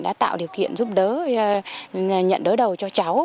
đã tạo điều kiện giúp đỡ nhận đỡ đầu cho cháu